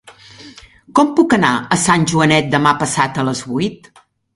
Com puc anar a Sant Joanet demà passat a les vuit?